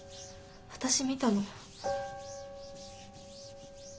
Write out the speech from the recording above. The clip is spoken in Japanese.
私見たの。